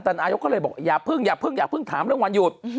แต่นายกก็เลยบอกอย่าเพิ่งอย่าเพิ่งถามเรื่องวันหยุด